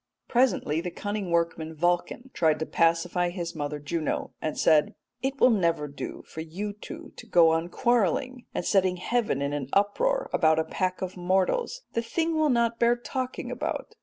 Presently the cunning workman Vulcan tried to pacify his mother Juno, and said, 'It will never do for you two to go on quarrelling and setting heaven in an uproar about a pack of mortals. The thing will not bear talking about.